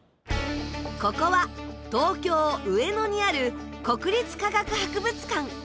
ここは東京・上野にある国立科学博物館。